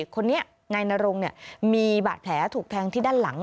คนนี้นายนรงมีบาดแผลถูกแทงที่ด้านหลัง